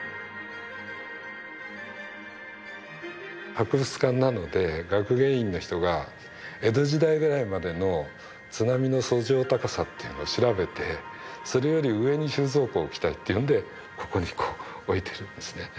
博物館なので学芸員の人が江戸時代ぐらいまでの津波の遡上高さっていうのを調べてそれより上に収蔵庫を置きたいっていうんでここにこう置いてるんですね。